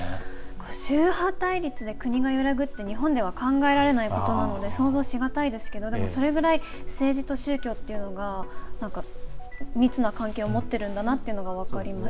宗派対立で国が揺らぐって日本では考えられないことなので想像しがたいですけどでもそれぐらい政治と宗教っていうのが密な関係を持ってるんだなというのが分かりますね。